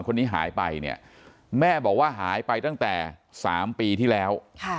คนนี้หายไปเนี่ยแม่บอกว่าหายไปตั้งแต่๓ปีที่แล้ว